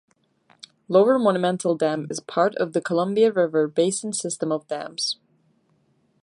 Lower Monumental Dam is part of the Columbia River Basin system of dams.